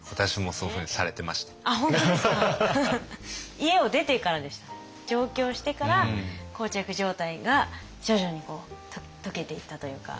家を出てからでしたね上京してから膠着状態が徐々に解けていったというか。